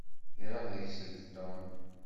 Iṛuḥ deg-sent Tom.